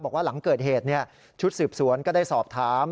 บอกว่าหลังเกิดเหตุชุดสืบสวนก็ได้สอบถาม